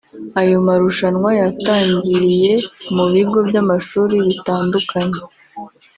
Ayo marushanwa yatangiriye mu bigo by’amashuri bitandukanye